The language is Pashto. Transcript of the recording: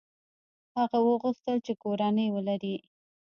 هغه وغوښتل چې کورنۍ ولري.